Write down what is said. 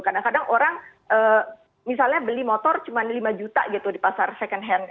kadang kadang orang misalnya beli motor cuma lima juta gitu di pasar second hand